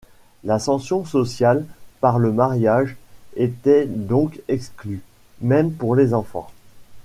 L'ascension sociale par le mariage était donc exclue, même pour les enfants.